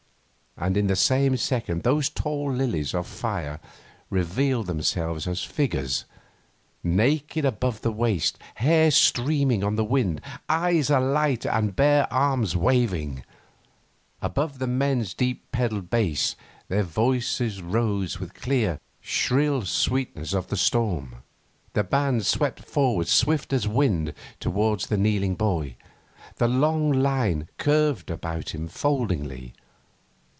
And in the same second these tall lilies of fire revealed themselves as figures, naked above the waist, hair streaming on the wind, eyes alight and bare arms waving. Above the men's deep pedal bass their voices rose with clear, shrill sweetness on the storm. The band swept forwards swift as wind towards the kneeling boy. The long line curved about him foldingly.